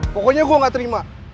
pokoknya gue gak terima